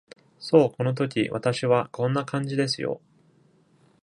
そうこの時、私は、こんな感じですよ。